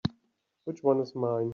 Which one is mine?